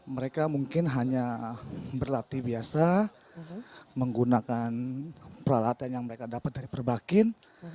mereka mungkin hanya berlatih biasa menggunakan peralatan yang mereka dapat dari perbakin